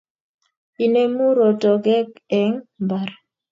Inemu rotokek eng mbar